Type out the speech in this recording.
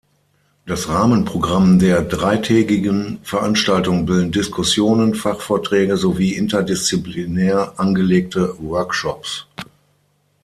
Das Rahmenprogramm der dreitägigen Veranstaltung bilden Diskussionen, Fachvorträge sowie interdisziplinär angelegte Workshops.